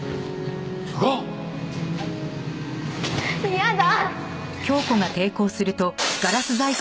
嫌だ！